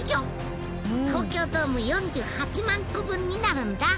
東京ドーム４８万個分になるんだ！